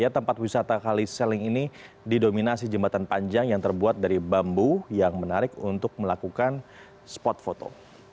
tempat wisata kali seling ini didominasi jembatan panjang yang terbuat dari bambu yang menarik untuk melakukan spot foto